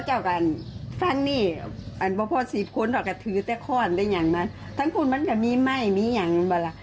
เหมือนที่เขาก็ไปตั้งเข้าอีกอย่างคุณ